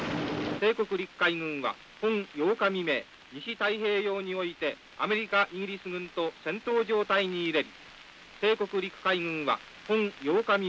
帝国陸海軍は本８日未明西太平洋においてアメリカイギリス軍と戦闘状態に入れり。